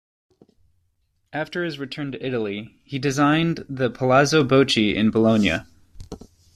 After his return to Italy, he designed the Palazzo Bocchi in Bologna.